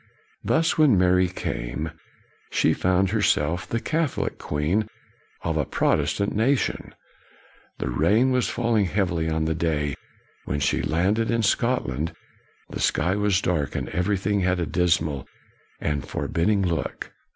Thus, when Mary came she found her self the Catholic Queen of a Protestant nation. The rain was falling heavily on the day when she landed in Scotland, the sky was dark, and everything had a dismal and forbidding look.